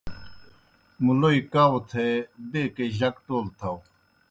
مُلوئے کؤ تھے بیکے جک ٹول تھاؤ۔